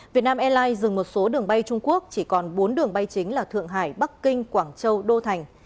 việt nam airlines dừng một số đường bay trung quốc chỉ còn bốn đường bay chính là thượng hải bắc kinh quảng châu đô thành